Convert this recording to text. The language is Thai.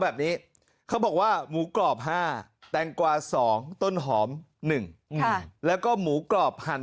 แบบนี้เขาบอกว่าหมูกรอบ๕แตงกวา๒ต้นหอม๑แล้วก็หมูกรอบหั่น